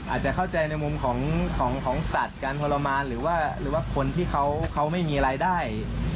อาจจะเข้าใจในมุมของสัตว์การทรมานหรือว่าคนที่เขาไม่มีรายได้